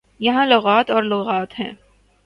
یہاں لغات اور لغات ہے۔